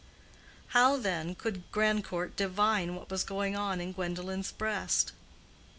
How, then, could Grandcourt divine what was going on in Gwendolen's breast?